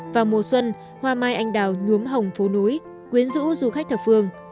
vào mùa xuân hoa mai anh đào nhuốm hồng phố núi quyến rũ du khách thập phương